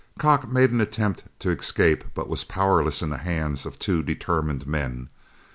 Kock made an attempt to escape, but he was powerless in the hands of two determined men.